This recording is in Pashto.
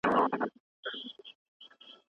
یو څه خو وي،